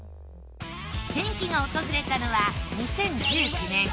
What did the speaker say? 転機が訪れたのは２０１９年。